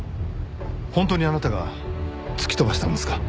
本当にあなたが突き飛ばしたんですか？